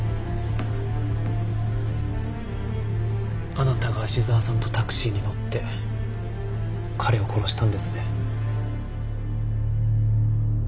あなたが芦沢さんとタクシーに乗って彼を殺したんですね。